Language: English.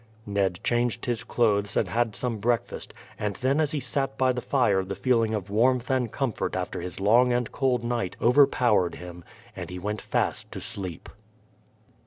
Ned changed his clothes and had some breakfast, and then as he sat by the fire the feeling of warmth and comfort after his long and cold night overpowered him, and he went fast to sleep.